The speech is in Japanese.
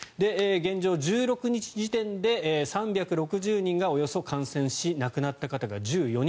現状、１６日時点で３６０人が感染し、亡くなった方が１４人